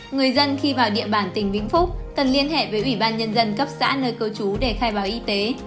người dân khi vào địa bàn tỉnh vĩnh phúc cần liên hệ với ủy ban nhân dân cấp xã nơi cư trú để khai báo y tế